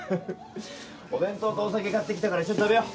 お弁当とお酒買ってきたから一緒に食べよう。